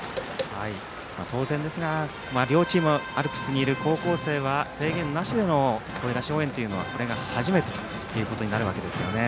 当然ですが両チームアルプスにいる高校生は制限なしでの声出し応援はこれが初めてとなるわけですよね。